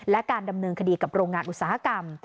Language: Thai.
และการดำเนินคดีกับโรงงานอุตสาหกรรม